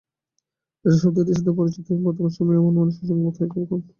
Data শব্দটির সাথে পরিচিত নয় বর্তমান সময়ে এমন মানুষের সংখ্যা বোধহয় খুবই কম।